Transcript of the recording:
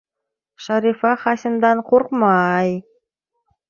Шарифа Хасимдан ҡурҡмай-ай!